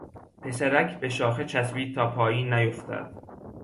پسرک به شاخه چسبید تا پایین نیافتد.